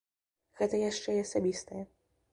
Гэта яшчэ і асабістае.